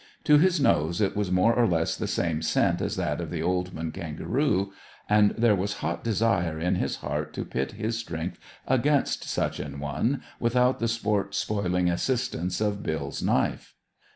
To his nose it was more or less the same scent as that of the old man kangaroo; and there was hot desire in his heart to pit his strength against such an one, without the sport spoiling assistance of Bill's knife.